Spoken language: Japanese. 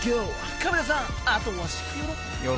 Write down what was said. カビラさん、あとはしくよろ。